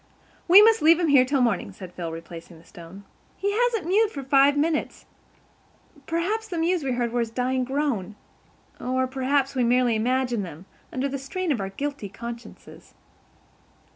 "We must leave him here till morning," said Phil, replacing the stone. "He hasn't mewed for five minutes. Perhaps the mews we heard were his dying groan. Or perhaps we merely imagined them, under the strain of our guilty consciences."